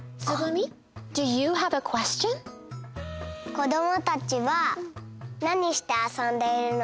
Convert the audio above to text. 子どもたちは何してあそんでいるの？